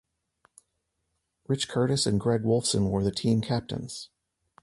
Rich Curtis and Gregg Wolfson were the team captains.